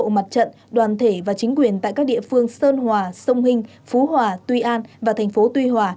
mặt trận đoàn thể và chính quyền tại các địa phương sơn hòa sông hinh phú hòa tuy an và thành phố tuy hòa